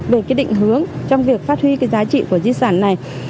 để định hướng trong việc phát huy giá trị của di sản này